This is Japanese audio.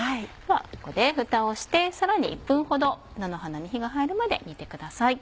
ここでふたをしてさらに１分ほど菜の花に火が入るまで煮てください。